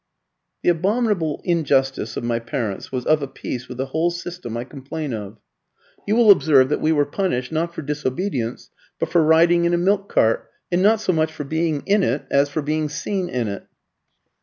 "The abominable injustice of my parents was of a piece with the whole system I complain of. You will observe that we were punished, not for disobedience, but for riding in a milk cart, and not so much for being in it as for being seen in it."